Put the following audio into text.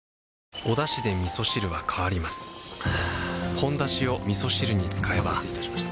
「ほんだし」をみそ汁に使えばお待たせいたしました。